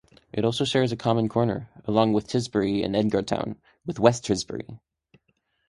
It also shares a common corner, along with Tisbury and Edgartown, with West Tisbury.